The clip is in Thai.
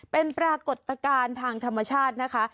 เป็นปรากฏการณ์ทางธรรมชาตินะคะ